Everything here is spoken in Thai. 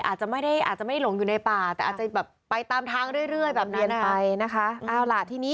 อาจจะไม่ได้หลงอยู่ในป่าแต่อาจจะไปตามทางเรื่อยเรียนไปนะคะ